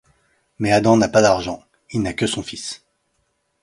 Mais Adam n'a pas d'argent, il n'a que son fils...